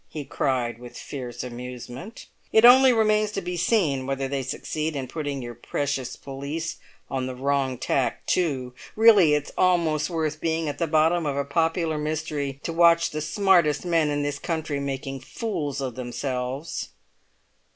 he cried, with fierce amusement; "it only remains to be seen whether they succeed in putting your precious police on the wrong tack too. Really, it's almost worth being at the bottom of a popular mystery to watch the smartest men in this country making fools of themselves!"